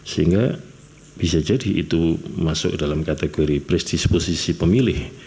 sehingga bisa jadi itu masuk dalam kategori pres disposisi pemilih